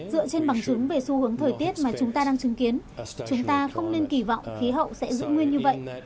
dựa trên bằng chứng về xu hướng thời tiết mà chúng ta đang chứng kiến chúng ta không nên kỳ vọng khí hậu sẽ giữ nguyên như vậy